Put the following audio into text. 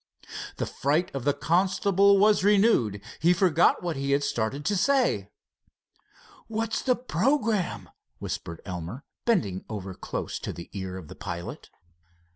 The fright of the constable was renewed. He forgot what he had started to say. "What's the programme?" whispered Elmer, bending over close to the ear of the pilot.